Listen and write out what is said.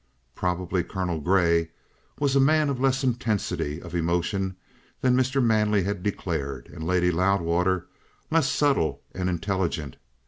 Probably Colonel Grey was a man of less intensity of emotion than Mr. Manley had declared, and Lady Loudwater less subtile and intelligent.